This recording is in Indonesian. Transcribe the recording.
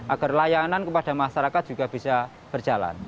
agar layanan kepada masyarakat juga bisa berjalan